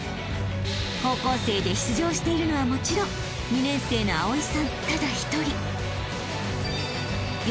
［高校生で出場しているのはもちろん２年生の蒼さんただ一人］